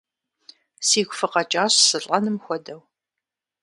Сигу фыкъэкӀащ сылӀэным хуэдэу!